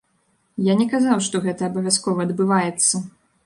Я не казаў, што гэта абавязкова адбываецца.